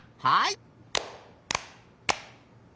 はい。